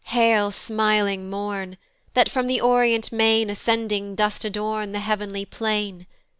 Hail, smiling morn, that from the orient main Ascending dost adorn the heav'nly plain!